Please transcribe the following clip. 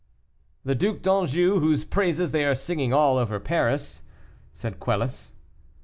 "The Duc d'Anjou, whose praises they are singing all over Paris," said Quelus.